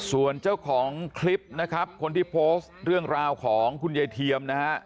ส่วนเจ้าของคลิปนะครับคนที่โพสต์เรื่องราวของคุณยายเทียมนะฮะ